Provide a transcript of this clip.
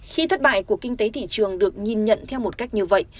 khi thất bại của kinh tế thị trường được nhìn nhận theo một cách như vậy